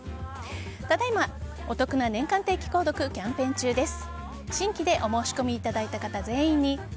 ただ今、大変お得な年間定期購読キャンペーン中です。